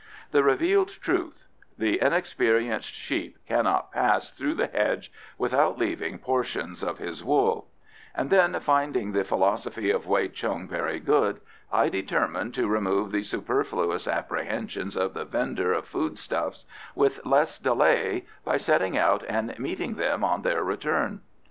The revealed truth: the inexperienced sheep cannot pass through the hedge without leaving portions of his wool), and then finding the philosophy of Wei Chung very good, I determined to remove the superfluous apprehensions of the vender of food stuffs with less delay by setting out and meeting them on their return.